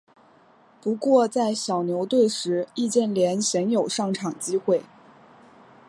不过在小牛队时易建联鲜有上场机会。